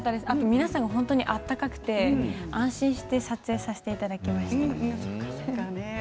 皆さんとても温かくて安心して撮影させていただきました。